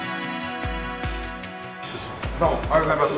どうもおはようございます。